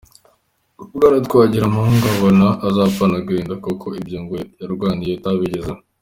Ngo Bwana Twagiramungu abona azapfana agahinda kuko ibyo ngo yarwaniye atabigezeho